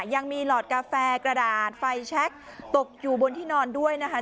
หลอดกาแฟกระดาษไฟแชคตกอยู่บนที่นอนด้วยนะคะ